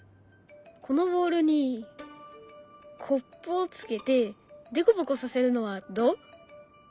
このボールにコップをつけてでこぼこさせるのはどう？